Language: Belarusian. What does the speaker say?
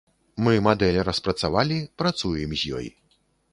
Мы мадэль распрацавалі, працуем з ёй.